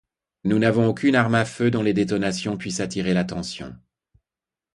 Nous n’avons aucune arme à feu dont les détonations puissent attirer l’attention.